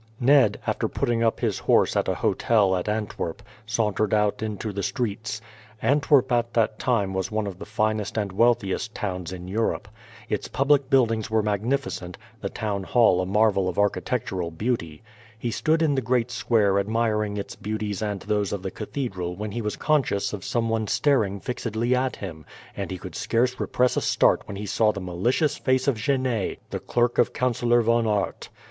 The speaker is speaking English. Ned, after putting up his horse at a hotel at Antwerp, sauntered out into the streets. Antwerp at that time was one of the finest and wealthiest towns in Europe. Its public buildings were magnificent, the town hall a marvel of architectural beauty. He stood in the great square admiring its beauties and those of the cathedral when he was conscious of some one staring fixedly at him, and he could scarce repress a start when he saw the malicious face of Genet, the clerk of Councillor Von Aert.